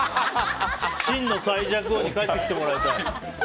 真の最弱王に帰ってきてもらいたい。